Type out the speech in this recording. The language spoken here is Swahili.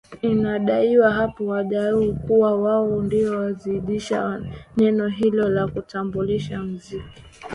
Inadaiwa wapo waliodai kuwa wao ndiyo waanzilishi wa neno hilo la kutambulisha muziki